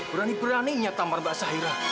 berani beraninya tampar mbak syahira